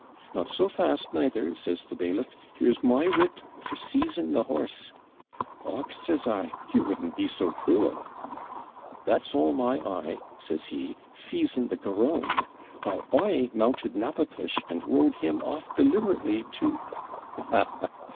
'"Not so fast, neither," says the bailiff "here's my writ for seizing the horse." '"Och," says I, "you wouldn't be so cruel."' "That's all my eye," says he, seizing the garrone, while I mounted Naboclish, and rode him off deliberately to ' 'Ha! ha!